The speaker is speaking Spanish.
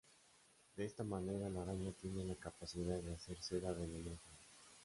De esta manera la araña tiene la capacidad de hacer seda venenosa.